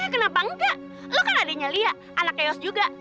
kenapa enggak lo kan adenya lia anak keyos juga